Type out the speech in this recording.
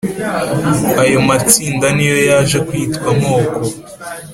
Ayo matsinda ni yo yaje kwitwa amoko